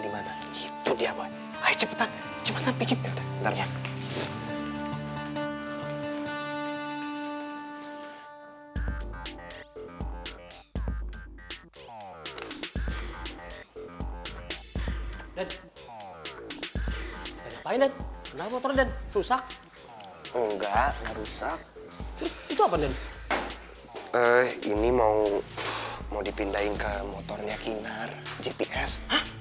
dan banyak banyak motor dan rusak enggak rusak ini mau mau dipindahin ke motornya kinar gps